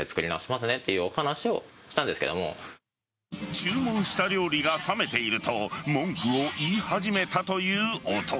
注文した料理が冷めていると文句を言い始めたという男。